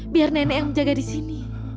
biar nenek yang menjaga disini